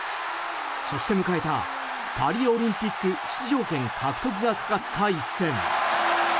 そして迎えたパリオリンピック出場権獲得がかかった一戦。